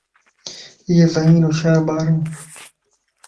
ايي ذھين / ھوشيار ٻارن